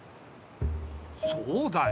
そうだよ。